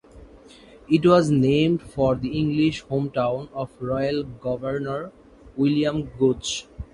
It was named for the English hometown of Royal Governor William Gooch.